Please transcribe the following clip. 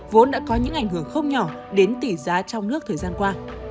vốn đã có những ảnh hưởng không nhỏ đến tỷ giá trong nước thời gian qua